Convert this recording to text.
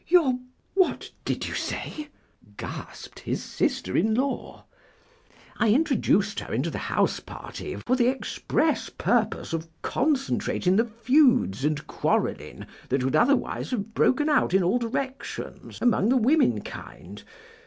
"Your—what did you say?" gasped his sister in law. "I introduced her into the house party for the express purpose of concentrating the feuds and quarrelling that would otherwise have broken out in all directions among the womenkind.